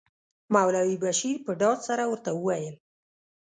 مولوي بشیر په ډاډ سره ورته وویل.